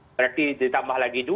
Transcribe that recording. berarti ditambah lagi dua